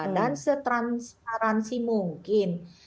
dan setransparansi mungkin